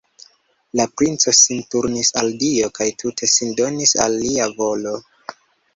La princo sin turnis al Dio kaj tute sin donis al Lia volo.